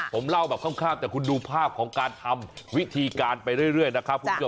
ผมเล่าแบบข้ามแต่คุณดูภาพของการทำวิธีการไปเรื่อยนะครับคุณผู้ชม